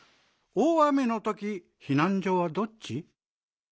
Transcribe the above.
大雨のときひなんじょはどっち？